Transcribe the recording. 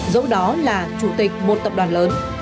dẫu đó là chủ tịch một tập đoàn lớn